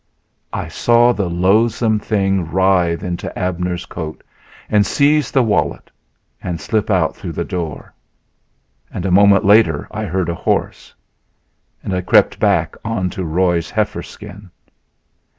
I saw the loathsome thing writhe into Abner's coat and seize the wallet and slip out through the door; and a moment later I heard a horse. And I crept back on to Roy's heifer skin.